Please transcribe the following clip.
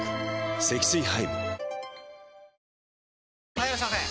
・はいいらっしゃいませ！